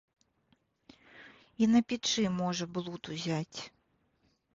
І на печы можа блуд узяць.